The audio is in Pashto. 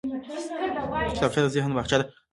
کتابچه د ذهن باغچه ده